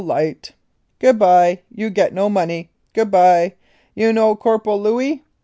Good bye. You get no money. Good bye. You know Corp'l Louey?